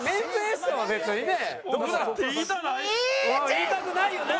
言いたくないよな？